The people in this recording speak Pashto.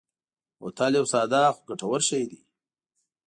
بوتل یو ساده خو ګټور شی دی.